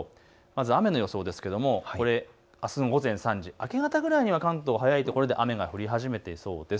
まず雨の予想ですけれどもあすの午前３時、明け方ぐらいには関東、早い所で雨が降り始めている予想です。